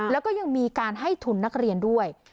แล้วก็ยังมีการให้ทุนนักเรียนด้วย